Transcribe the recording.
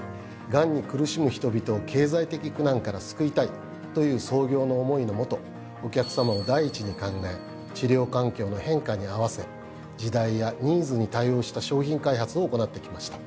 がんに苦しむ人々を経済的苦難から救いたいという創業の思いの下お客さまを第一に考え治療環境の変化に合わせ時代やニーズに対応した商品開発を行ってきました。